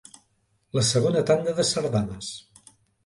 La segona tanda de sardanes.